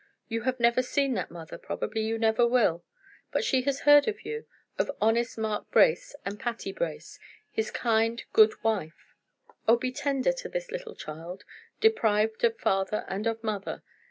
You have never seen that mother, probably you never will; but she has heard of you of honest Mark Brace and Patty Brace, his kind, good wife. Oh, be tender to this little child, deprived of father and of mother.